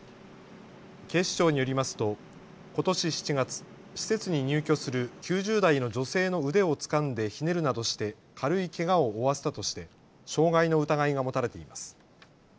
警視庁によりますとことし７月、施設に入居する９０代の女性の腕をつかんでひねるなどして軽いけがを負わせたとして傷害の疑いが持たれています。